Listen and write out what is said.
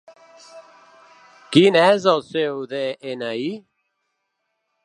Quin és el seu de-ena-i?